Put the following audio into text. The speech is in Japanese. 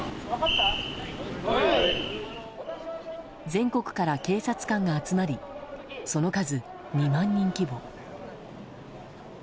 全国から警察官が集まりその数２万人規模。